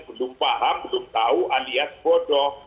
belum paham belum tahu alias bodoh